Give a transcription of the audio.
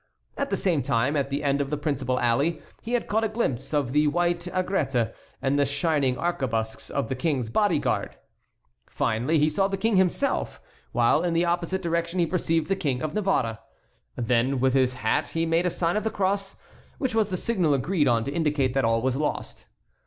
At the same time, at the end of the principal alley, he had caught a glimpse of the white aigrettes and the shining arquebuses of the King's bodyguard. Finally he saw the King himself, while in the opposite direction he perceived the King of Navarre. Then with his hat he had made a sign of the cross, which was the signal agreed on to indicate that all was lost.